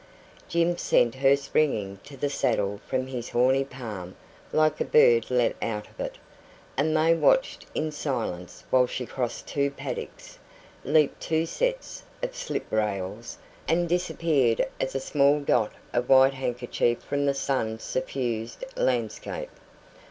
Jim sent her springing to the saddle from his horny palm like a bird let out of it, and they watched in silence while she crossed two paddocks, leaped two sets of slip rails, and disappeared as a small dot of white handkerchief from the sun suffused landscape.